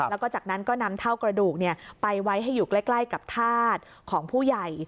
แล้วก็จากนั้นก็นำเท่ากระดูกไปไว้ให้อยู่ใกล้กับธาตุของผู้ใหญ่